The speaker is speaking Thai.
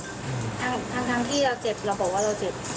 ทั้งที่เราเจ็บเราบอกว่าเราเจ็บ